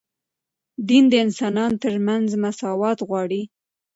دین د انسانانو ترمنځ مساوات غواړي